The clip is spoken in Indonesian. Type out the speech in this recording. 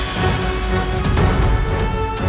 selamat tinggal puteraku